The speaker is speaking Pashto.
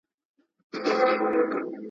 ابن خلدون په ټولنپوهنه کي ډېر نوم لري.